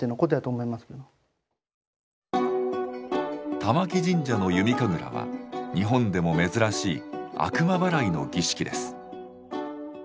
玉置神社の弓神楽は日本でも珍しい「悪魔ばらい」の儀式です。